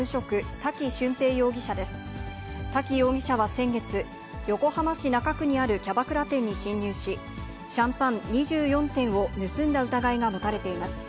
滝容疑者は先月、横浜市中区にあるキャバクラ店に侵入し、シャンパン２４点を盗んだ疑いが持たれています。